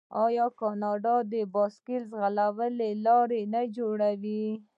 آیا کاناډا د بایسکل ځغلولو لارې نه جوړوي؟